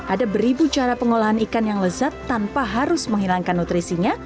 ada beribu cara pengolahan ikan yang lezat tanpa harus menghilangkan nutrisinya